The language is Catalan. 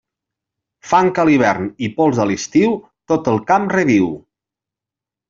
Fang a l'hivern i pols a l'estiu, tot el camp reviu.